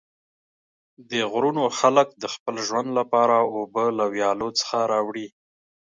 د غرونو خلک د خپل ژوند لپاره اوبه له ویالو څخه راوړي.